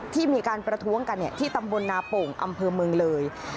ที่มีการประท้วงกันที่ตำบลนาโป่งอำเภอเมืองเลย